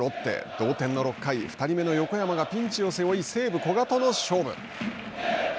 同点の６回２人目の横山がピンチを背負い西武、古賀との勝負。